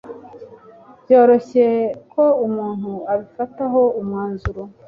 byoroshye ko umuntu abifataho umwanzuro